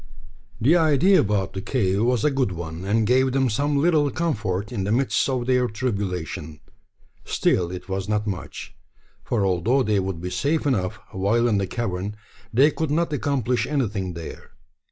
The idea about the cave was a good one, and gave them some little comfort in the midst of their tribulation. Still, it was not much; for although they would be safe enough while in the cavern, they could not accomplish anything there.